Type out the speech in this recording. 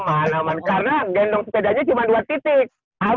aman aman aman karena gendong sepedanya cuma dua titik aman